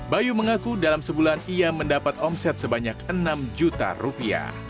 bayu mengaku dalam sebulan ia mendapat omset sebanyak enam juta rupiah